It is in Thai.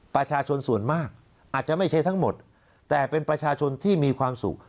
ประชาชนส่วนมากอาจจะไม่ใช่ทั้งหมดแต่เป็นประชาชนที่มีความสุข